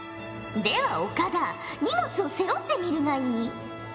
では岡田荷物を背負ってみるがいい。